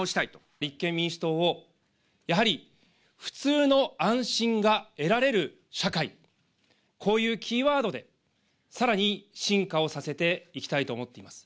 立憲民主党をやはり普通の安心が得られる社会、こういうキーワードで、更に進化をさせていきたいと思っています。